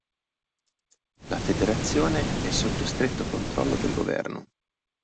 La federazione è "sotto stretto controllo del governo".